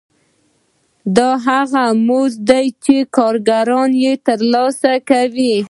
دا هغه مزد دی چې کارګران یې ترلاسه کوي